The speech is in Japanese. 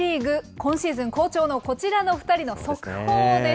今シーズン、好調のこちらの２人の速報です。